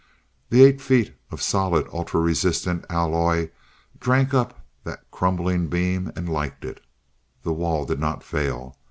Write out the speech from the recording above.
The eight feet of solid, ultra resistant alloy drank up that crumbling beam, and liked it. The wall did not fail.